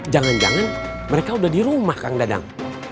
jangan jangan mereka udah di rumah kang dadang